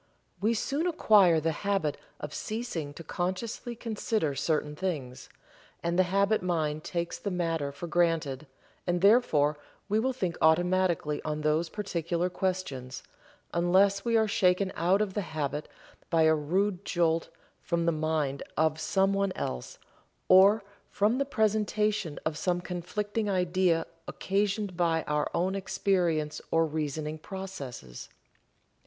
We soon acquire the habit of ceasing to consciously consider certain things, and the habit mind takes the matter for granted, and thereafter we will think automatically on those particular questions, unless we are shaken out of the habit by a rude jolt from the mind of someone else, or from the presentation of some conflicting idea occasioned by our own experience or reasoning processes.